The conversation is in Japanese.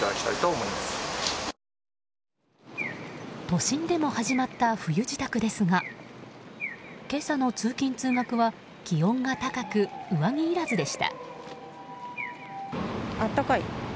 都心でも始まった冬支度ですが今朝の通勤・通学は気温が高く上着いらずでした。